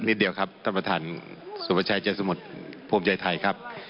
เดียวครับท่านประธานสุภาชัยใจสมุทรภูมิใจไทยครับ